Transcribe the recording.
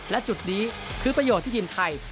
และจุดนี้คือประโยชน์ที่ทีมไทย